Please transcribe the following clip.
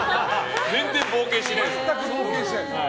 全然冒険しないんです。